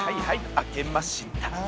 開けました。